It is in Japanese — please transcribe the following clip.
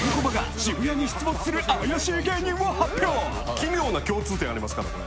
奇妙な共通点ありますからこれ。